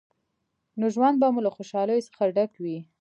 نو ژوند به مو له خوشحالیو څخه ډک وي.